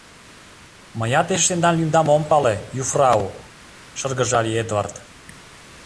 — Мыят эше тендан лӱмдам ом пале, юфрау, — шыргыжале Эдвард.